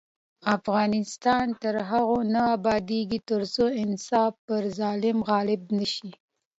افغانستان تر هغو نه ابادیږي، ترڅو انصاف پر ظلم غالب نشي.